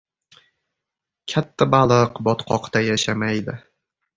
• Katta baliq botqoqda yashamaydi.